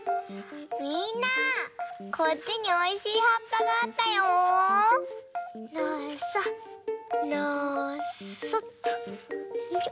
みんなこっちにおいしいはっぱがあったよ！のそのそっとよいしょ。